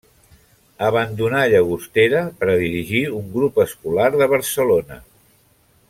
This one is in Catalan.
Abandonà Llagostera per a dirigir un grup escolar de Barcelona.